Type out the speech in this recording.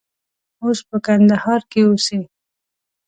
اوس په کندهار کې اوسي.